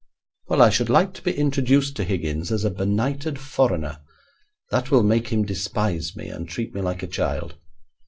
'Well, I should like to be introduced to Higgins as a benighted foreigner. That will make him despise me and treat me like a child.'